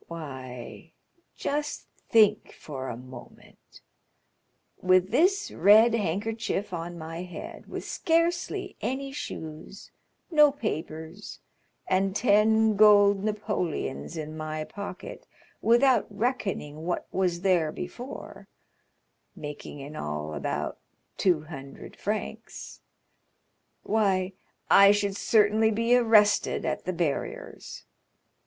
"Why, just think for a moment; with this red handkerchief on my head, with scarcely any shoes, no papers, and ten gold napoleons in my pocket, without reckoning what was there before—making in all about two hundred francs,—why, I should certainly be arrested at the barriers.